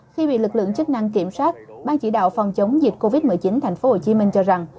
khi bị lực lượng chức năng kiểm soát ban chỉ đạo phòng chống dịch covid một mươi chín tp hcm cho rằng